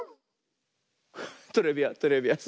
トレビアントレビアン。